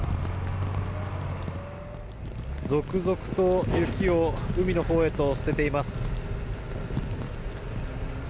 続々と雪を海のほうへと捨てています。